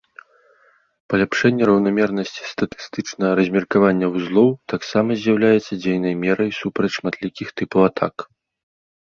Паляпшэнне раўнамернасці статыстычнага размеркавання вузлоў таксама з'яўляецца дзейнай мерай супраць шматлікіх тыпаў атак.